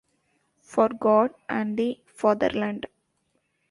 For God, and the Fatherland!